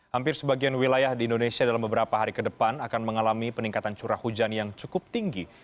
hampir sebagian wilayah di indonesia dalam beberapa hari ke depan akan mengalami peningkatan curah hujan yang cukup tinggi